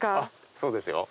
そうですよ。